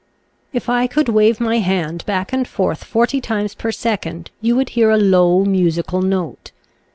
If I could wave my hand back and forth forty times per second you would hear a low musical note.